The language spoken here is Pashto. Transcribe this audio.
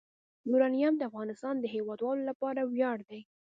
یورانیم د افغانستان د هیوادوالو لپاره ویاړ دی.